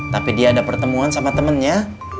tapi dia ada pertemuan sama temennya